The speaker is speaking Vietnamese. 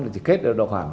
thì kết được độ khoảng